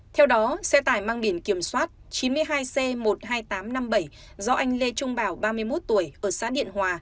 theo đó xe tải mang biển kiểm soát chín mươi hai c một mươi hai nghìn tám trăm năm mươi bảy do anh lê trung bảo ba mươi một tuổi ở xã điện hòa